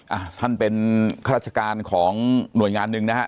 อ่ะท่านเป็นข้าราชการของหน่วยงานหนึ่งนะฮะ